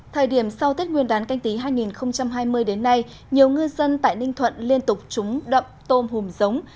thời điểm sau tết nguyên đán canh tí hai nghìn hai mươi đến nay nhiều ngư dân tại ninh thuận liên tục trúng đậm tôm hùm giống